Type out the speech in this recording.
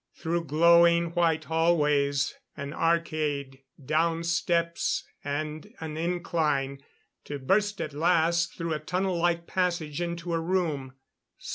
Through glowing white hallways, an arcade; down steps and an incline to burst at last through a tunnel like passage into a room.